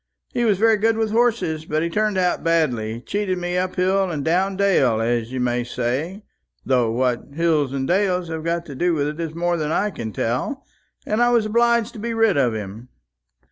He was very good with horses; but he turned out badly, cheated me up hill and down dale, as you may say though what hills and dales have got to do with it is more than I can tell and I was obliged to get rid of him."